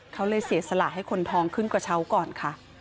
เขาเลยเสียสละให้คนทองขึ้นกระเช้าก่อนค่ะ